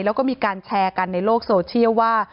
แล้วก็มีการแชร์กันในโลกโซเชียลว่า